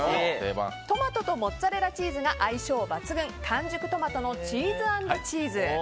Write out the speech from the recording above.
トマトとモッツァレラチーズが相性抜群完熟トマトのチーズ＆チーズ。